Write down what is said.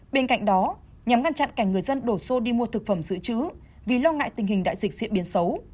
bên cạnh đó nhằm ngăn chặn cảnh người dân đổ xô đi mua thực phẩm dự trữ vì lo ngại tình hình đại dịch diễn biến xấu